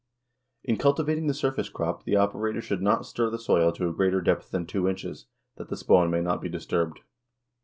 In cultivating the surface crop the operator should not stir the soil to a greater depth than two inches, that the spawn may not be disturbed.